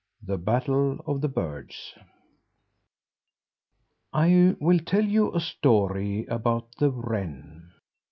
THE BATTLE OF THE BIRDS I will tell you a story about the wren.